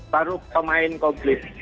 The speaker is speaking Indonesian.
baru pemain komplit